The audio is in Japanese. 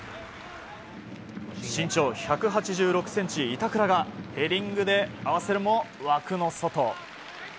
身長１８６ｃｍの板倉がヘディングで合わせるも枠の外。